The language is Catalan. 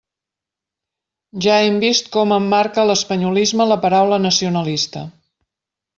Ja hem vist com emmarca l'espanyolisme la paraula nacionalista.